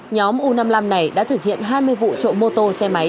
nhóm u năm mươi năm này đã thực hiện hai mươi vụ trộm mô tô xe máy